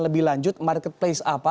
lebih lanjut marketplace apa